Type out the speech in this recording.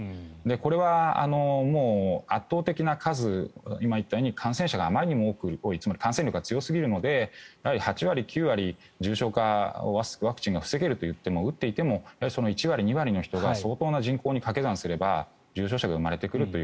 これはもう圧倒的な数今言ったように感染者があまりにも多いつまり感染力が強すぎるのでやはり８割、９割ワクチンが重症化を防げるといっても打っていてもその１割２割の人が相当の人が人口に掛け算すれば重症者が生まれてくると。